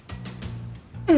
うん！